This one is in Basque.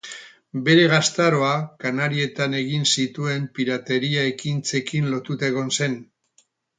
Bere gaztaroa Kanarietan egin zituen pirateria ekintzekin lotuta egon zen.